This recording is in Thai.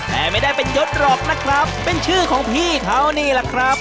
แต่ไม่ได้เป็นยศหรอกนะครับเป็นชื่อของพี่เขานี่แหละครับ